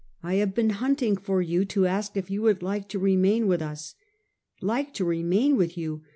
I have been hunting for you to ask if you would like to remain with us?" " Like to remain with you?